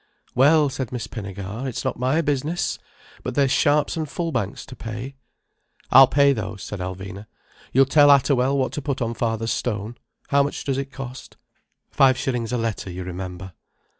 "Well," said Miss Pinnegar, "it's not my business. But there's Sharps and Fullbanks to pay." "I'll pay those," said Alvina. "You tell Atterwell what to put on father's stone. How much does it cost?" "Five shillings a letter, you remember."